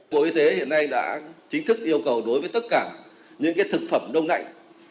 bộ y tế hiện nay đã chính thức yêu cầu đối với tất cả những thực phẩm đông lạnh